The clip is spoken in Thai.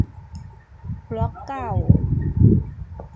บล็อกเก่า